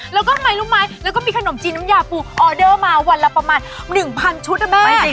แล้วก็ทำไมรู้ไหมแล้วก็มีขนมจีนน้ำยาปูออเดอร์มาวันละประมาณ๑๐๐ชุดนะแม่